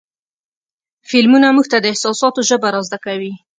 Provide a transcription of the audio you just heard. فلمونه موږ ته د احساساتو ژبه را زده کوي.